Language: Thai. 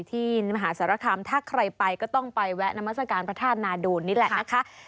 ที่มหาสารคามถ้าใครไปก็ต้องไปแวะนามัศกาลพระธาตุนาดูนนี่แหละนะคะ